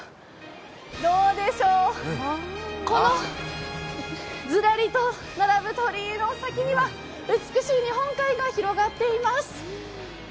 どうでしょう、このズラリと並ぶ鳥居の先には美しい日本海が広がっています。